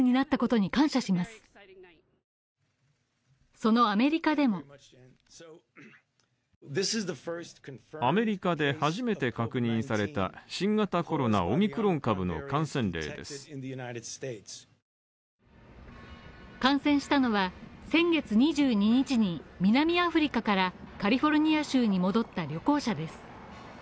そのアメリカでも感染したのは先月２２日に南アフリカからカリフォルニア州に戻った旅行者です。